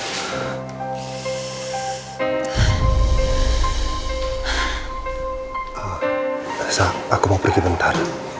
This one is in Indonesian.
bahasa aku mau pergi bentar